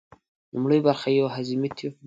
لومړۍ برخه یې یو هضمي تیوپ دی.